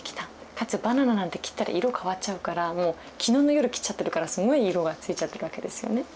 かつバナナなんて切ったら色変わっちゃうからもう昨日の夜切っちゃってるからすごい色がついちゃってるわけですよね。